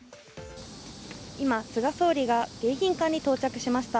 今、菅総理が迎賓館に到着しました。